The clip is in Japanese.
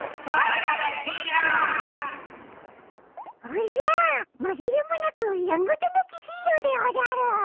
おじゃまぎれもなくやんごとなきヒーローでおじゃる！